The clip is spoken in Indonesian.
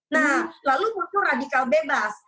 nah lalu muncul radikal bebas